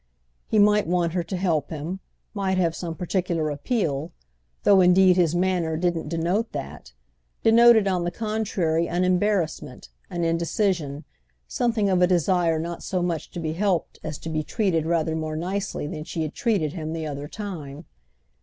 He might want her to help him, might have some particular appeal; though indeed his manner didn't denote that—denoted on the contrary an embarrassment, an indecision, something of a desire not so much to be helped as to be treated rather more nicely than she had treated him the other time.